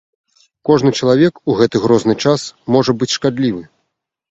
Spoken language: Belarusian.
Кожны чалавек у гэты грозны час можа быць шкадлівы.